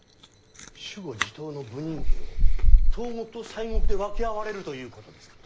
守護地頭の補任権を東国と西国で分け合われるということですか。